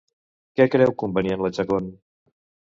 Que creu convenient la Chacón?